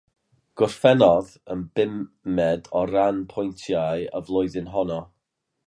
Gorffennodd yn bumed o ran pwyntiau y flwyddyn honno.